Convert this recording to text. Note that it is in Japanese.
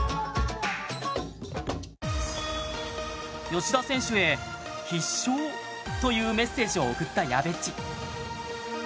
吉田選手へ「必笑？」というメッセージを送ったやべっち。